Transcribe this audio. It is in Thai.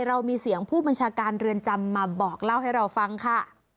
เรามีเสียงผู้บัญชาการเรือนจำมาบอกเล่าให้เราฟังค่ะ